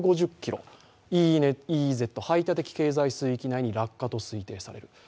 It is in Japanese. およそ１５０ｋｍＥＥＺ＝排他的経済水域内に落下と推定される。